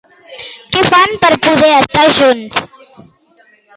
Què fan per poder estar junts?